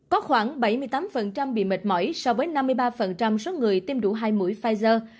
có khoảng bảy mươi tám bị mệt mỏi so với năm mươi ba số người tiêm đủ hai mũi pfizer